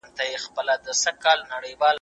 زه شګه نه پاکوم!.